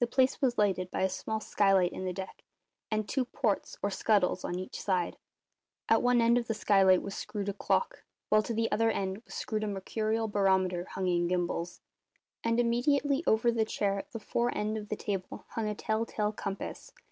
The place was lighted by a small skylight in the deck, and two ports, or scuttles, on each side. At one end of the skylight was screwed a clock, while to the other end was screwed a mercurial barometer hung in gimbals; and immediately over the chair at the fore end of the table hung a tell tale compass.